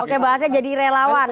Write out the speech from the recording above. oke bahasanya jadi relawan